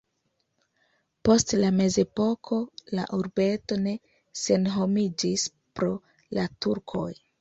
Post la mezepoko la urbeto ne senhomiĝis pro la turkoj.